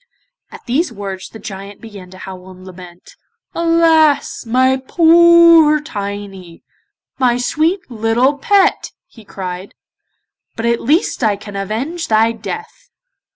At these words the Giant began to howl and lament. 'Alas, my poor Tiny, my sweet little pet,' he cried, 'but at least I can avenge thy death.